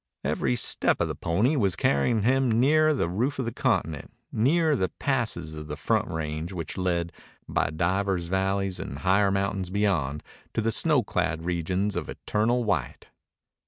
Every step of the pony was carrying him nearer the roof of the continent, nearer the passes of the front range which lead, by divers valleys and higher mountains beyond, to the snowclad regions of eternal white.